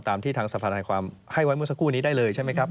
ตามที่ทางสภาธนาความให้ไว้เมื่อสักครู่นี้ได้เลยใช่ไหมครับ